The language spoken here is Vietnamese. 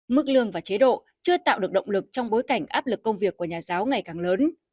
mức lương và chế độ chưa tạo được động lực trong bối cảnh áp lực công việc của nhà giáo ngày càng lớn